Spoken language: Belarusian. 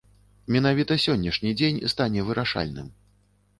Менавіта сённяшні дзень стане вырашальным.